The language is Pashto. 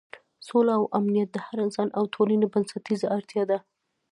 سوله او امنیت د هر انسان او ټولنې بنسټیزه اړتیا ده.